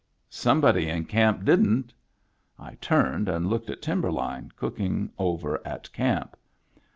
Somebody in camp didn't I turned and looked at Timberline cooking over at camp.